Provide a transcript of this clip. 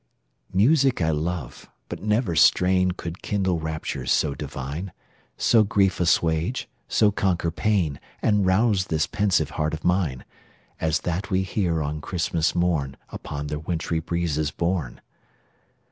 Music I love but never strain Could kindle raptures so divine, So grief assuage, so conquer pain, And rouse this pensive heart of mine As that we hear on Christmas morn, Upon the wintry breezes borne.